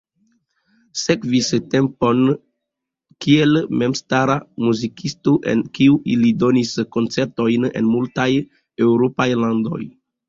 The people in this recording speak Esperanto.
Sekvis tempo kiel memstara muzikisto, en kiu li donis koncertojn en multaj eŭropaj landoj.